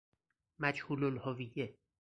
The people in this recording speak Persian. مجهول الهویه